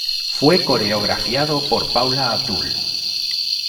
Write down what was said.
Fue coreografiado por Paula Abdul.